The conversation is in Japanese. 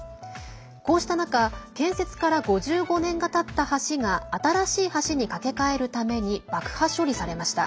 こうした中建設から５５年がたった橋が新しい橋に架け替えるために爆破処理されました。